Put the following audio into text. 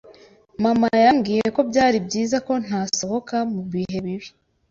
Mama yambwiye ko byari byiza ko ntasohoka mu bihe bibi.